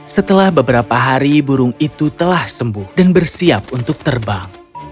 setelah beberapa hari burung itu telah sembuh dan bersiap untuk terbang